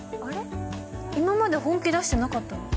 今まで本気出してなかったの？